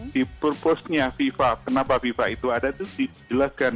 di purpose nya fifa kenapa fifa itu ada itu dijelaskan